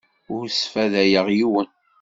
Ur sfadayeɣ yiwen.